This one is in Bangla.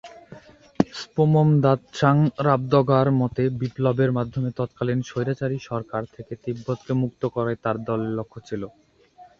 স্পোম-ম্দা'-ত্শাং-রাব-দ্গা'র মতে বিপ্লবের মাধ্যমে তৎকালীন 'স্বৈরাচারী' সরকার থেকে তিব্বতকে মুক্ত করাই তার দলের লক্ষ্য ছিল।